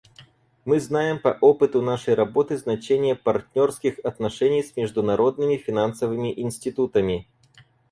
Мы знаем по опыту нашей работы значение партнерских отношений с международными финансовыми институтами.